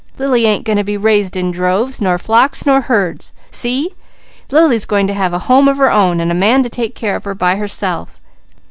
Lily ain't going to be raised in droves, nor flocks, nor herds! See? Lily's going to have a home of her own, and a man to take care of her by herself."